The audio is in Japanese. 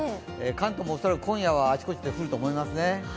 関東も恐らく今夜はあちこちで降ると思いますね。